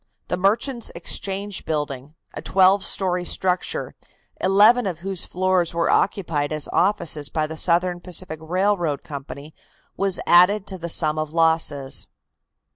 The Merchants' Exchange building, a twelve story structure, eleven of whose floors were occupied as offices by the Southern Pacific Railroad Company, was added to the sum of losses.